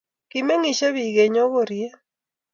kimengishei biik eng nyokoryet